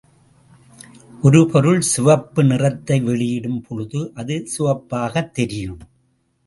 ஒரு பொருள் சிவப்பு நிறத்தை வெளியிடும் பொழுது அது சிவப்பாகத் தெரியும்.